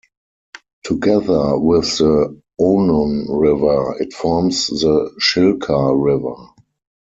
Together with the Onon River, it forms the Shilka River.